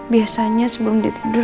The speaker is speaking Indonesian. biasanya sebelum dia tidur